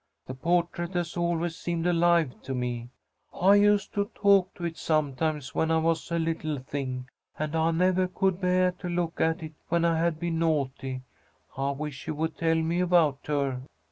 The portrait has always seemed alive to me. I used to talk to it sometimes when I was a little thing, and I nevah could beah to look at it when I had been naughty. I wish you would tell me about her."